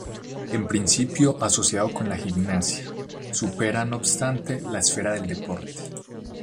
En principio asociado con la gimnasia, supera no obstante la esfera del deporte.